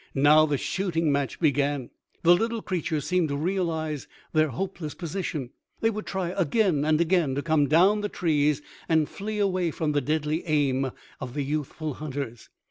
Now the shooting match began. The little creatures seemed to realize their hopeless position; they would try again and again to come down the trees and flee away from the deadly aim of the youthful hunters.